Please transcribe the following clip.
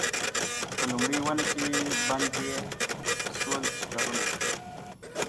په لومړۍ ونه کي بند یې سول ښکرونه